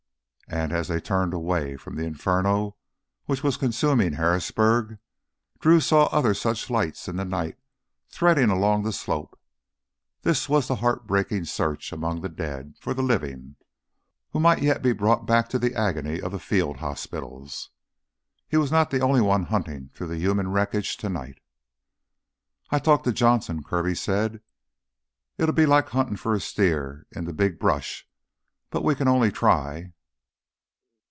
And, as they turned away from the inferno which was consuming Harrisburg, Drew saw other such lights in the night, threading along the slope. This was the heartbreaking search, among the dead, for the living, who might yet be brought back to the agony of the field hospitals. He was not the only one hunting through the human wreckage tonight. "I've talked to Johnson," Kirby said. "It'll be like huntin' for a steer in the big brush, but we can only try."